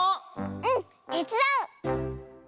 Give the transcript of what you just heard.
うんてつだう！